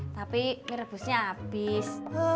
tapi mie rebusnya abis